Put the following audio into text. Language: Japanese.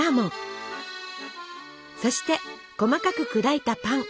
そして細かく砕いたパン。